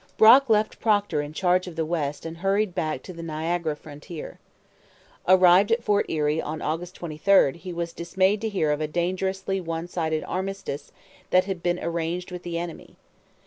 Brock left Procter in charge of the West and hurried back to the Niagara frontier. Arrived at Fort Erie on August 23 he was dismayed to hear of a dangerously one sided armistice that had been arranged with the enemy.